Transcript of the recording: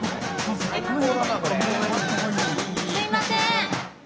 すいません！